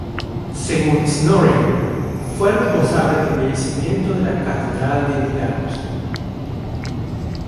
Según Snorri, fue responsable del embellecimiento de la Catedral de Nidaros.